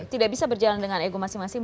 tidak bisa berjalan dengan ego masing masing